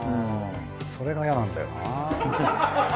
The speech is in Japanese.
それが嫌なんだよなぁ。